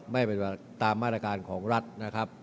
ไม่เป็นตามมาตรการของรัฐนะครับ